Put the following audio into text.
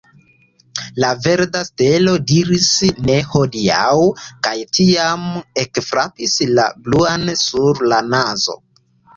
La verda stelo diris, ne hodiaŭ, kaj tiam ekfrapis la bluan sur la nazo.